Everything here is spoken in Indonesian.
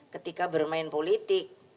ketika bermain politik